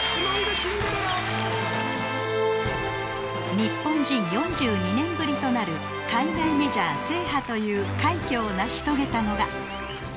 日本人４２年ぶりとなる海外メジャー制覇という快挙を成し遂げたのが